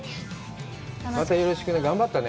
またよろしくね。頑張ったね。